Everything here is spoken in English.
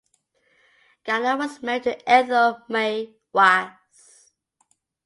Gainard was married to Ethel May Wass.